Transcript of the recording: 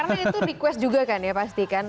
karena itu request juga kan ya pasti kan